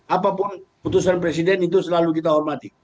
apapun putusan presiden itu selalu kita hormati